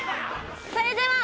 それでは。